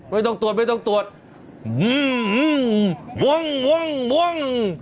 ไม่ต้องตรวจไม่ต้องตรวจอืมม่วงม่วง